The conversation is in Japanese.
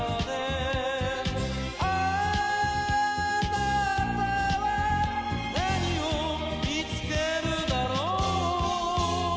「貴方は何を見つけるだろう」